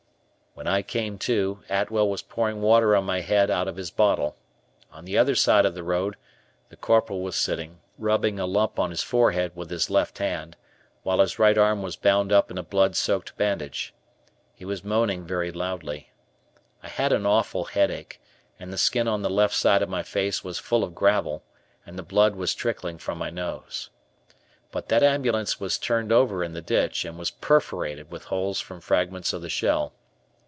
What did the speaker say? When I came to, Atwell was pouring water on my head out of his bottle. On the other side of the road, the Corporal was sitting, rubbing a lump on his forehead with his left hand, while his right arm was bound up in a blood soaked bandage. He was moaning very loudly. I had an awful headache, and the skin on the left side of my face was full of gravel, and the blood was trickling from my nose. But that ambulance was turned over in the ditch, and was perforated with holes from fragments of the shell.